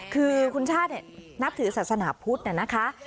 คือคุณชาตินับถือศาสนาพุทธนะคะ